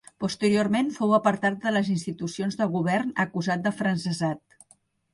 Posteriorment fou apartat de les institucions de govern acusat d'afrancesat.